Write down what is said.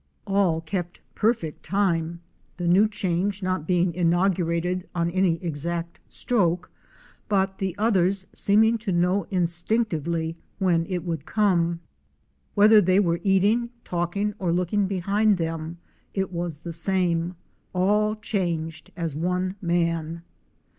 All kept perfect time, the new change not being inaugurated on any exact stroke, but the others seeming to know instinctively when it would come. Whether they were eating, talking or looking behind them it was the same, all changed as one man.